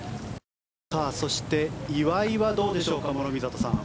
そして岩井はどうでしょうか諸見里さん。